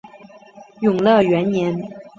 永乐元年。